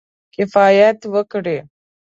کفایت وکړي.